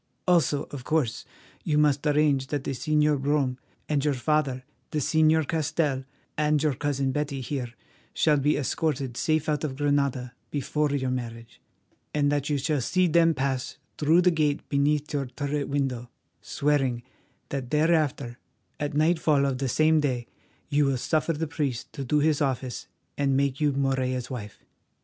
Also, of course, you must arrange that the Señor Brome and your father, the Señor Castell, and your cousin Betty here shall be escorted safe out of Granada before your marriage, and that you shall see them pass through the gate beneath your turret window, swearing that thereafter, at nightfall of the same day, you will suffer the priest to do his office and make you Morella's wife.